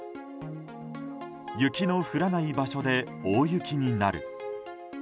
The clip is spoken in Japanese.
雪の降らない場所で大雪になる。